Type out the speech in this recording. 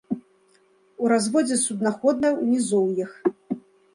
У разводдзе суднаходная ў нізоўях.